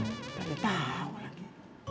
tadi tau lagi